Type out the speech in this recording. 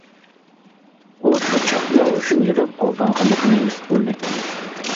ئۇ شۇ چاغدىلا ھوشىنى يىغىپ ئالدانغانلىقىنى ھېس قىلدى.